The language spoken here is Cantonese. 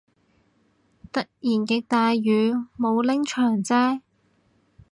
突然極大雨，冇拎長遮